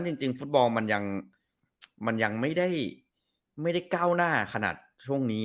จริงจริงฟุตบอลมันยังมันยังไม่ได้ไม่ได้เก้าหน้าขนาดช่วงนี้